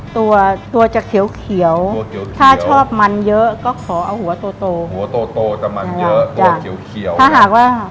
ตัวตัวจะเขียวถ้าชอบมันเยอะก็ขอเอาหัวกินแบบโต